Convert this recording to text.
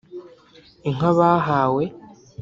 Inka bahawe